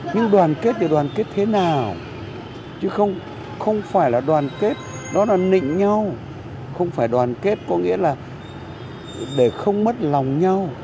nhưng đoàn kết thì đoàn kết thế nào chứ không phải là đoàn kết đó là nịnh nhau không phải đoàn kết có nghĩa là để không mất lòng nhau